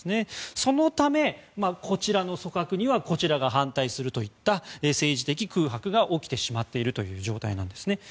そのためこちらの組閣にはこちらが反対するといった政治的空白が起きてしまっているという状態なんですね。